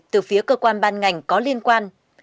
từ phía cơ quan ban ngành có liên quan